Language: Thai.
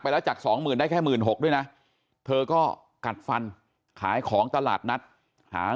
แล้วจากสองหมื่นได้แค่๑๖๐๐ด้วยนะเธอก็กัดฟันขายของตลาดนัดหา